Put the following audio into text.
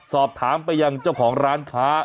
สอบถามไปยังเจ้าของร้านค้า